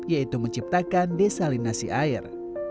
yaitu menciptakan desalinasi air